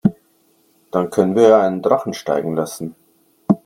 Dann können wir ja einen Drachen steigen lassen.